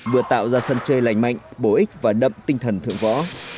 vừa tạo ra sân chơi lành mạnh bổ ích và đậm tinh thần thượng võ